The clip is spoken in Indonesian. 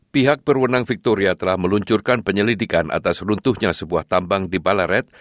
pihak berwenang victoria telah meluncurkan penyelidikan atas runtuhnya sebuah tambang di balaret